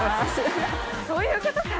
そういうことか！